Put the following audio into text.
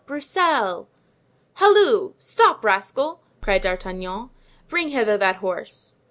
Broussel!" "Halloo! stop, rascal!" cried D'Artagnan. "Bring hither that horse."